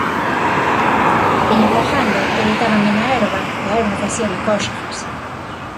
Viña co gando e deitábame na herba e a herba facíame cóxegas.